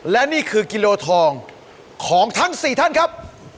และนี่คือกิโลทองของทั้ง๔ท่านครับ